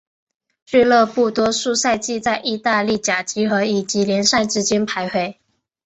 俱乐部多数赛季在意大利甲级和乙级联赛之间徘徊。